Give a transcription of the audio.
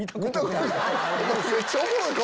めっちゃおもろい顔！